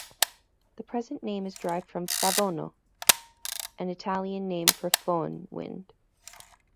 The present name is derived from "Favonio", an Italian name for the foehn wind.